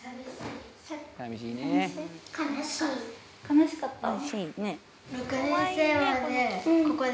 悲しかった？